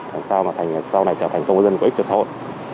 làm sao mà sau này trở thành công dân có ích cho xã hội